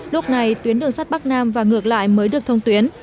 lúc này tuyến đường sắt bắc nam và ngược lại mới được thông tuyến